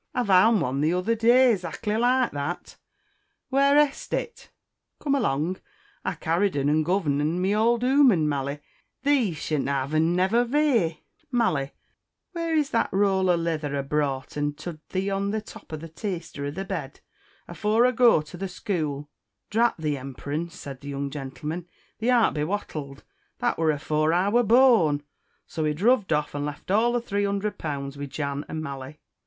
"I vound one the t'other day zackly like that." "Where es, et?" "Come along, I carr'd'en and gov'en to my ould 'ooman, Mally; thee sha't av'en, nevr vear. Mally, where es that roul of lither I broft en tould thee to put en a top o' the teaster of the bed, afore I go'd to scool?" "Drat thee emperance," said the young gentleman; "thee art bewattled; that were afore I were born." So he druv'd off, and left all the three hunderd pounds with Jan and Mally.